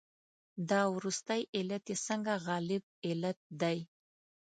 دا وروستی علت یې ځکه غالب علت دی.